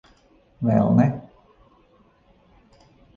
Vēl ne.